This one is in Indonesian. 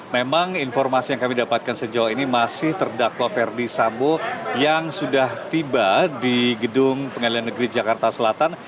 memang informasi yang kami dapatkan sejauh ini masih terdakwa ferdi sambo yang sudah tiba di gedung pengadilan negeri jakarta selatan